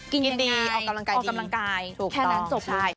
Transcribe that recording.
กินยังไงออกกำลังกายดีถูกต้องใช่